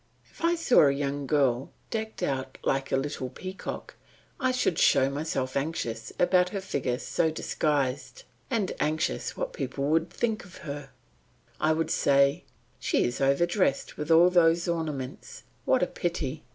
If I saw a young girl decked out like a little peacock, I should show myself anxious about her figure so disguised, and anxious what people would think of her; I should say, "She is over dressed with all those ornaments; what a pity!